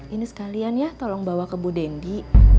ini sekalian ya tolong bawa ke bu dendi